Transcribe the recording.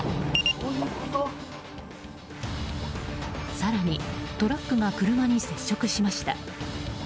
更に、トラックが車に接触しました。